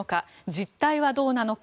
実態はどうなのか